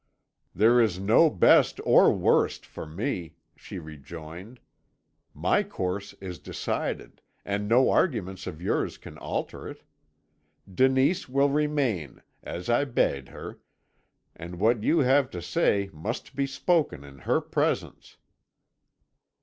"'There is no best or worst for me,' she rejoined; 'my course is decided, and no arguments of yours can alter it. Denise will remain, as I bade her, and what you have to say must be spoken in her presence.'